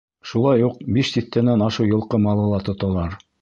Шулай уҡ биш тиҫтәнән ашыу йылҡы малы ла тоталар.